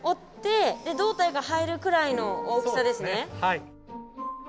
はい。